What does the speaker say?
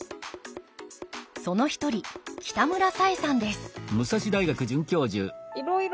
その一人北村紗衣さんです